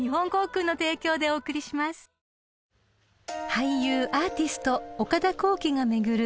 ［俳優アーティスト岡田浩暉が巡る